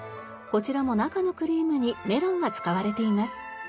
こちらも中のクリームにメロンが使われています。